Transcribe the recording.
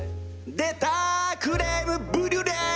出たクレームブリュレ！